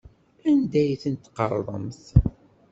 Anda ay tent-tqerḍemt?